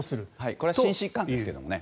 これは心疾患ですけどね。